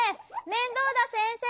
面倒田先生！